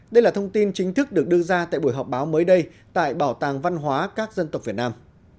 đây là thông tin chính thức được đưa ra tại buổi họp báo mới đây tại bảo tàng văn hóa các dân tộc việt nam